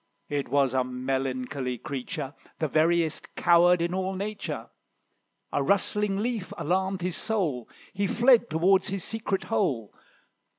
It was a melancholy creature, The veriest coward in all nature; A rustling leaf alarmed his soul, He fled towards his secret hole.